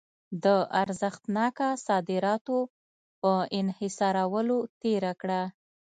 د ارزښتناکه صادراتو په انحصارولو تېره کړه.